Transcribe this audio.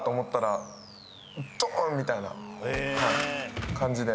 みたいな感じで。